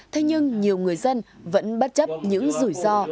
thế nhưng nhiều người dân vẫn bất chấp những rủi ro